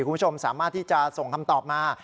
คุณผู้ชมสามารถที่จะส่งคำตอบมา